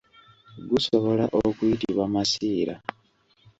Gusobola okuyitibwa masiira.